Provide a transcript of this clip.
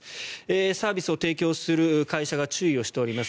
サービスを提供する会社が注意をしております。